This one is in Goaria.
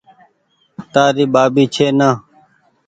تآري ٻآٻي ڇي نآ